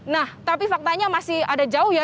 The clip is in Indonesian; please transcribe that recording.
nah tapi faktanya masih ada jauh ya